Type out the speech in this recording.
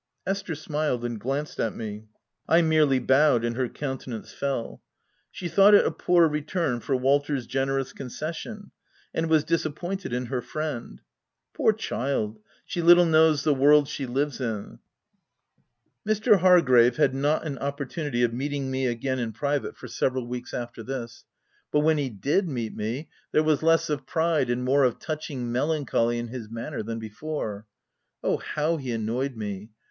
Esther smiled and glanced at me : I merely bowed, and her countenance fell. She thought it a poor return for Walter's generous conces sion, and was disappointed in her friend. Poor child, she little knows the world she lives in ! Mr. Hargrave had not an opportunity of meeting me again in private for several weeks OF WILDFELL HALL. 357 after this ; but when he did meet me, there was less of pride and more of touching melancholy in his manner than before. Oh, how he an noyed me